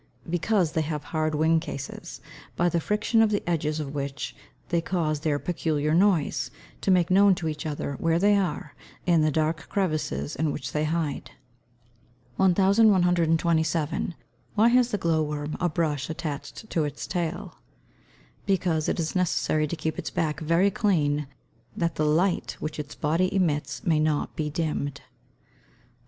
_ Because they have hard wing cases, by the friction of the edges of which they cause their peculiar noise, to make known to each other where they are, in the dark crevices in which they hide. [Illustration: Fig. 74. GLOW WORM USING HIS BRUSH.] 1127. Why has the glow worm a brush attached to its tail? Because it is necessary to keep its back very clean, that the light which its body emits may not be dimmed. 1128.